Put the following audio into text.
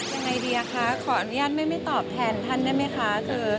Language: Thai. ยังไงดีอะคะขออนุญาตไม่ตอบแทนท่านได้ไหมคะ